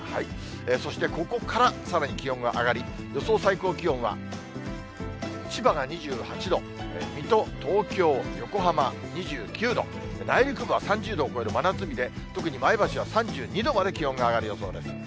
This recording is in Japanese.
そしてここからさらに気温が上がり、予想最高気温は千葉が２８度、水戸、東京、横浜２９度、内陸部は３０度を超える真夏日で、特に前橋は３２度まで気温が上がる予想です。